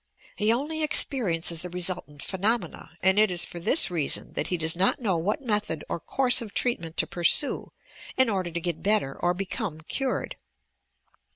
He only experiences the resultant phenomena, and it is for this reason that he docs not know what method or course of treatment to pursue in order to get better or become cured.